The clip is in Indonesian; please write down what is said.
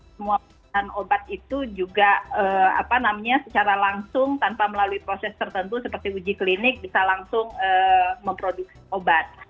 semua bahan obat itu juga secara langsung tanpa melalui proses tertentu seperti uji klinik bisa langsung memproduksi obat